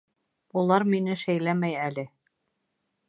Улар мине шәйләмәй әле.